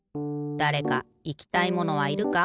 だれかいきたいものはいるか？